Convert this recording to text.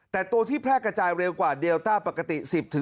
แต่ตัวที่แพร่กระจายเร็วกว่าเดลต้าปกติ๑๐